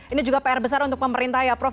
ini juga pr besar untuk pemerintah ya prof